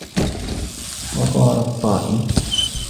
وَقَالَ الطَّائِيُّ